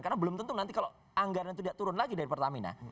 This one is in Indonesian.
karena belum tentu nanti kalau anggaran itu tidak turun lagi dari pertamina